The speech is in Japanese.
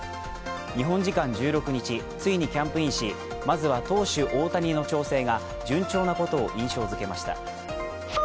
日本時間１６日、ついにキャンプインし、まずは投手・大谷の調整が順調なことを印象づけました。